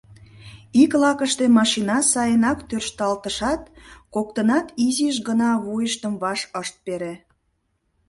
Ик лакыште машина сайынак тӧршталтышат, коктынат изиш гына вуйыштым ваш ышт пере.